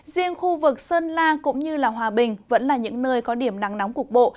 riêng khu vực sơn la cũng như hòa bình vẫn là những nơi có điểm nắng nóng cục bộ